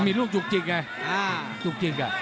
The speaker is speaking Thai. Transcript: มีลูกจุกจิกไงจุกจิกอ่ะ